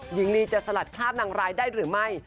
หญิงลีจะสลัดคราบนางร้ายได้หรือไม่